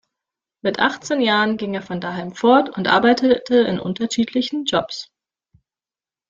Mit achtzehn Jahren ging er von daheim fort und arbeitete in unterschiedlichen Jobs.